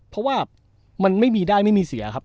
เพราะว่ามันไม่มีได้ไม่มีเสียครับ